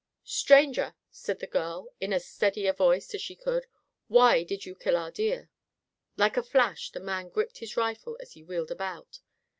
"Stranger," said the girl, in as steady a voice as she could, "why did you kill our deer?" Like a flash the man gripped his rifle as he wheeled about.